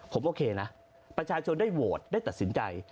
ผมโอเคนะประชาชนได้โหวตได้ตัดสินใจ